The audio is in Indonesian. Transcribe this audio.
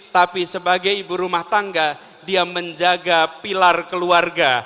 tapi sebagai ibu rumah tangga dia menjaga pilar keluarga